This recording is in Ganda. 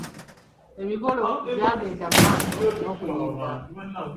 Emikolo gyagenda mu maaso n'okuyinda.